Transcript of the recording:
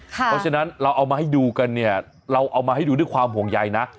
เพราะฉะนั้นเราเอามาให้ดูกันเนี่ยเราเอามาให้ดูด้วยความห่วงใยนะ